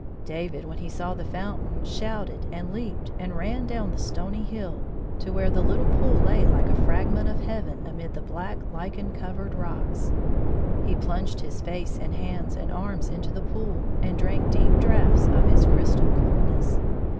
David, when he saw the fountain, shouted and leaped and ran down the stony hill to where the 129 little pool lay like a fragment of heaven amid the black, lichen covered rocks. He plunged his face and hands and arms into the pool, and drank deep draughts of its crystal coolness.